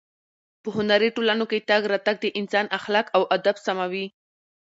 په هنري ټولنو کې تګ راتګ د انسان اخلاق او ادب سموي.